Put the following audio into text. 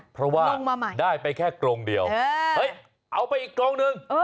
เพราะว่าได้ไปแค่กรงเดียวเอาไปอีกกรงหนึ่ง